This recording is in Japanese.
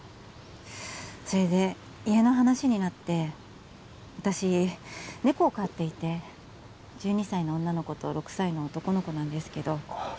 それで家の話になって私猫を飼っていて１２歳の女の子と６歳の男の子なんですけどあ